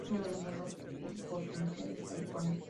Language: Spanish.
Es uno de los higos comerciales de California.